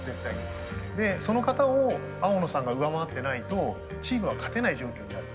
その方を青野さんが上回ってないとチームは勝てない状況にある。